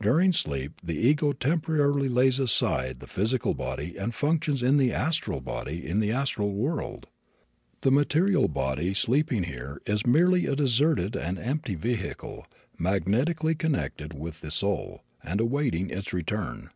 During sleep the ego temporarily lays aside the physical body and functions in the astral body in the astral world. The material body sleeping here is merely a deserted and empty vehicle, magnetically connected with the soul, and awaiting its return.